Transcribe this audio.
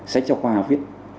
sách cho khoa viết